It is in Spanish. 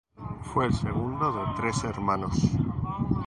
Fue el segundo de tres hermanos.